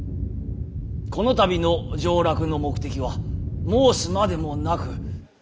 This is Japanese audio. この度の上洛の目的は申すまでもなく。